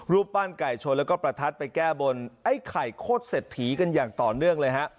ปั้นไก่ชนแล้วก็ประทัดไปแก้บนไอ้ไข่โคตรเศรษฐีกันอย่างต่อเนื่องเลยฮะ